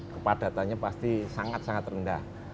kepadatannya pasti sangat sangat rendah